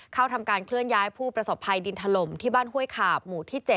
เข้าทำการเคลื่อนย้ายผู้ประสบภัยดินถล่มที่บ้านห้วยขาบหมู่ที่๗